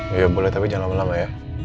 iya boleh tapi jangan lama lama ya